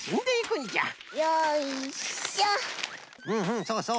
うんうんそうそう。